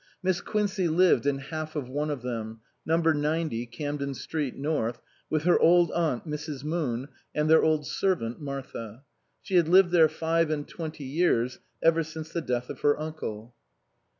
Miss Quincey lived in half of one of them (number ninety, Camden Street North) with her old aunt Mrs. Moon and their old servant Martha. She had lived there five and twenty years, ever since the death of her uncle.